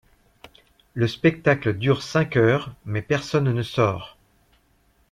Le spectacle dure cinq heures mais personne ne sort.